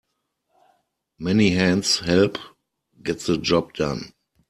Many hands help get the job done.